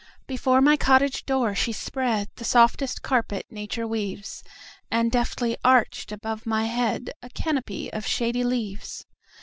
Before my cottage door she spreadThe softest carpet nature weaves, And deftly arched above my headA canopy of shady leaves.